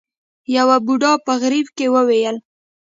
يوه بوډا په غريو کې وويل.